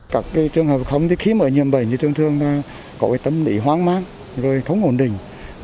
các trường hợp không khi mở nhiệm bệnh như trường thương có tâm lý hoang mát không ổn định